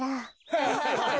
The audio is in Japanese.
ハハハハハ！